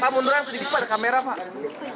pak munduran sedikit pada kamera pak